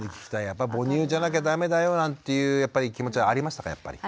やっぱ母乳じゃなきゃダメだよなんていう気持ちはありましたかやっぱり。